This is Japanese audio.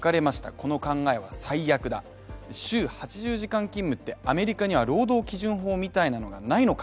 この考えは最悪だ、週８０時間勤務って、アメリカには労働基準法みたいなのがないのか。